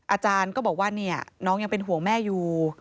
อาจารย์ก็บอกว่าน้องยังเป็นห่วงแม่อยู่